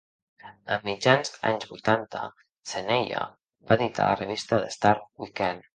A mitjans anys vuitanta, Saneeya va editar la revista The Star Weekend.